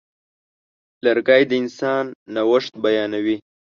لرګی د انسان نوښت بیانوي.